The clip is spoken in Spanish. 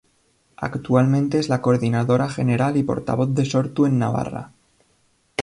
Actualmente es la coordinadora general y portavoz de Sortu en Navarra.